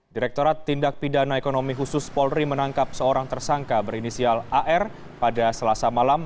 direkturat tindak pidana ekonomi khusus polri menangkap seorang tersangka berinisial ar pada selasa malam